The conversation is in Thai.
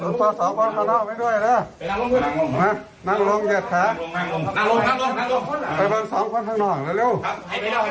ปากเอาตัวสองคนข้างนอกไว้ด้วยนะนั่งลงแยดขาไปพันสองคนข้างนอกเร็วเร็ว